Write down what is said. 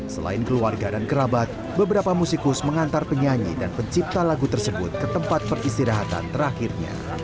selain keluarga dan kerabat beberapa musikus mengantar penyanyi dan pencipta lagu tersebut ke tempat peristirahatan terakhirnya